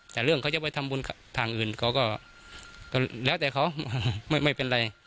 แต่เรื่องเขาจะไปทำบุญทางอื่นเขาก็แล้วแต่เขาไม่เป็นไร